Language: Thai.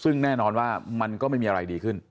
ซึ่งแน่นอนว่ามันก็ไม่มีอะไรดีขึ้น